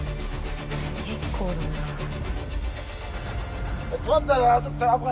結構だなぁ。